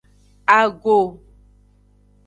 Ago.